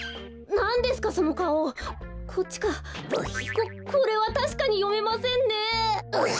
ここれはたしかによめませんねえ。